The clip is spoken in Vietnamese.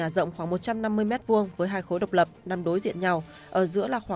xong khoảng một năm hai giờ kém là cứu được